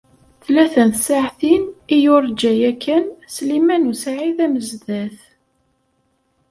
Tlata n tsaɛtin i yurǧa yakan Sliman u Saɛid Amezdat.